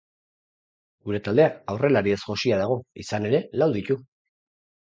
Gure taldea aurrelariez josia dago, izan ere, lau ditu.